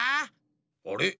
あれ？